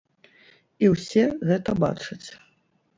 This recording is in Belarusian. І ўсе гэта бачаць.